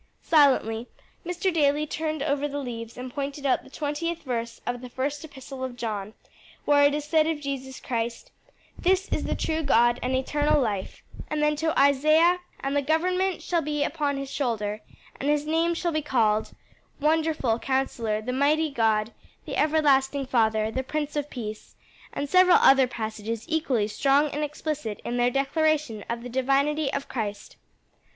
Silently Mr. Daly turned over the leaves and pointed out the twentieth verse of the first Epistle of John, where it is said of Jesus Christ, "This is the true God and eternal life;" and then to Isaiah ix. 6. "For unto us a child is born, unto us a son is given; and the government shall be upon his shoulder; and his name shall be called Wonderful, Counsellor, the Mighty God, the Everlasting Father, the Prince of Peace," and several other passages equally strong and explicit in their declaration of the divinity of Christ.